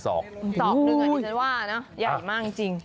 ตอบหนึ่งอ่ะนี่ฉันว่าใหญ่มากจริง